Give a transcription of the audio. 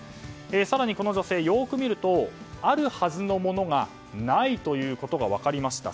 更にこの女性、よく見るとあるはずのものがないということ分かりました。